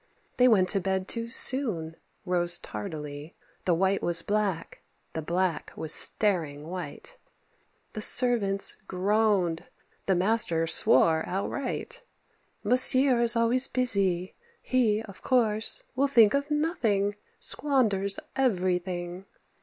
They went to bed too soon rose tardily; The white was black, the black was staring white; The servants groaned, the master swore outright. "Monsieur is always busy; he, of course, Will think of nothing squanders everything."